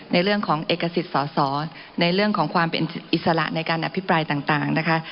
ในเรื่องของเอกสิทธิ์สอสอในเรื่องของความเป็นอิสระในการอภิปรายต่างนะคะ